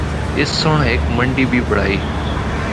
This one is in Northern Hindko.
اس سنڑ ہک منڈی بھی بنڑائی۔